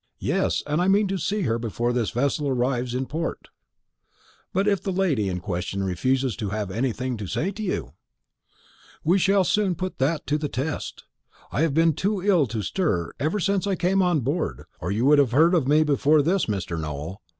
Yes; and I mean to see her before this vessel arrives in port." "But if the lady in question refuses to have anything to say to you?" "We shall soon put that to the test. I have been too ill to stir ever since I came on board, or you would have heard of me before this, Mr. Nowell.